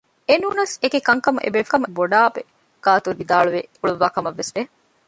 އެނޫނަސް އެކިކަންކަމު އެބޭފުޅަކު ބޮޑާބޭ ގާތު ވިދާޅުވެ އުޅުއްވާ ކަމަށް ވެސް ވެ